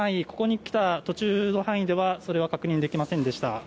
ここに来た途中の範囲ではそれは確認できませんでした